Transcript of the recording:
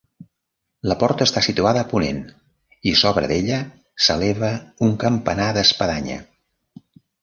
La porta està situada a ponent i sobre d'ella s'eleva un campanar d'espadanya.